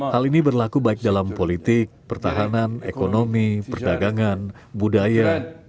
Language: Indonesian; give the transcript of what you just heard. hal ini berlaku baik dalam politik pertahanan ekonomi perdagangan budaya